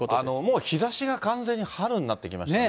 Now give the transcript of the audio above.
もう日ざしが完全に春になってきましたね。